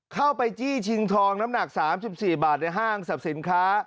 จี้ชิงทองน้ำหนัก๓๔บาทในห้างสรรพสินค้า